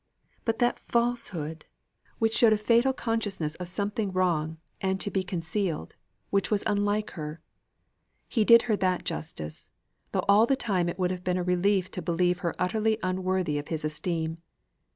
But that falsehood! which showed a fatal consciousness of something wrong, and to be concealed, which was unlike her. He did her that justice, though all the time it would have been a relief to believe her utterly unworthy of his esteem.